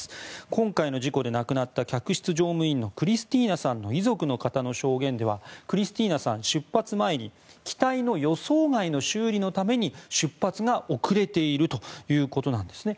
今回の事故で亡くなった客室乗務員のクリスティーナさんの遺族の方の証言ではクリスティーナさん、出発前に機体の予想外の修理のために出発が遅れているということなんですね。